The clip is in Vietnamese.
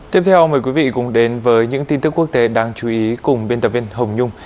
tiếp theo mời quý vị cùng đến với những tin tức quốc tế đáng chú ý cùng biên tập viên hồng nhung